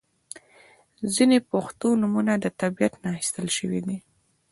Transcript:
• ځینې پښتو نومونه د طبیعت نه اخستل شوي دي.